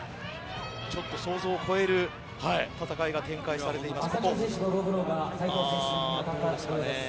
ちょっと想像を超える戦いが展開されています。